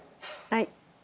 はい。